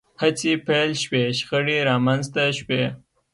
هڅې پیل شوې شخړې رامنځته شوې